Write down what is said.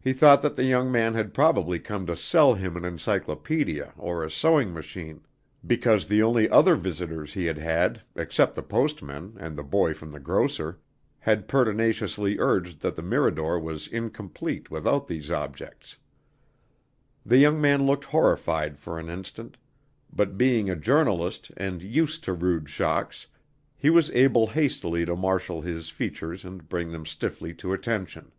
He thought that the young man had probably come to sell him an encyclopedia or a sewing machine, because the only other visitors he had had except the postman, and the boy from the grocer had pertinaciously urged that the Mirador was incomplete without these objects. The young man looked horrified for an instant, but being a journalist and used to rude shocks, he was able hastily to marshal his features and bring them stiffly to attention.